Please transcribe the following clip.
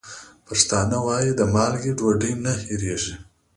پښتانه وايي: د مالګې ډوډۍ نه هېرېږي.